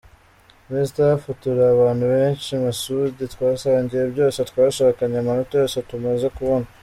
Muri staff turi abantu benshi, Masud twasangiye byose, twashakanye amanota yose tumaze kubona.